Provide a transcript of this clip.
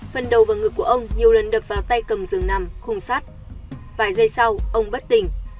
phần đầu và ngực của ông nhiều lần đập vào tay cầm rừng nằm khung sát vài giây sau ông bất tình